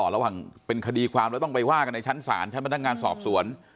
ระหว่างเป็นคดีความแล้วต้องไปว่ากันในชั้นศาลชั้นพนักงานสอบสวน